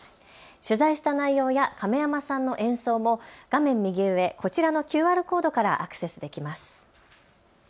取材した内容や亀山さんの演奏も画面右上、こちらのＱＲコードからアクセスできます。